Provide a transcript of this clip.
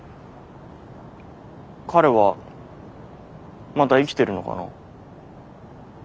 彼はまだ生きてるのかな？